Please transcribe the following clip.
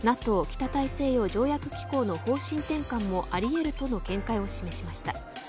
北大西洋条約機構の方針転換もあり得るとの見解を示しました。